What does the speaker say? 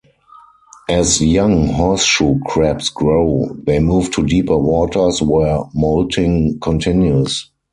As young horseshoe crabs grow, they move to deeper waters, where molting continues.